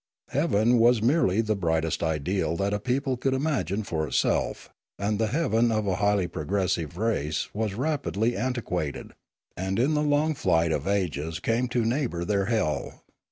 Heaven was merely the brightest ideal that a people could imagine for itself; and the heaven of a highly progressive race was rapidly antiquated, and in the long flight of ages came to neighbour their hell.